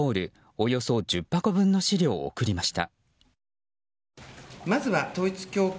およそ１０箱分の資料を送りました。